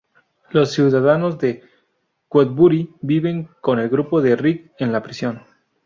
Los ciudadanos de Woodbury viven con el grupo de Rick en la prisión.